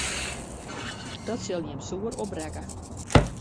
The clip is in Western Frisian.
Dat sil jim soer opbrekke.